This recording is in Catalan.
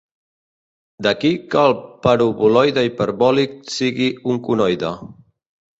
D'aquí que el paraboloide hiperbòlic sigui un conoide.